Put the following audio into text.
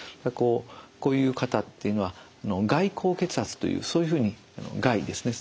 こういう方っていうのは臥位高血圧というそういうふうに臥位ですね